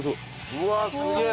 うわっすげえ！